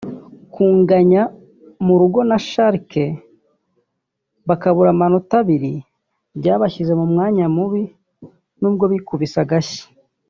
kunganya mu rugo na Schalke bakabura amanota abiri byabashyize mu mwanya mubi nubwo bikubise agashyi